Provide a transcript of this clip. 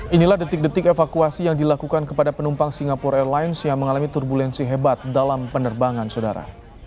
inilah detik detik evakuasi yang dilakukan kepada penumpang singapore airlines yang mengalami turbulensi hebat dalam penerbangan saudara